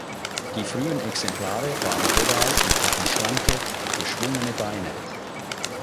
Die frühen Exemplare waren oval und hatten schlanke, geschwungene Beine.